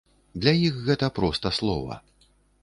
Для іх гэта проста слова.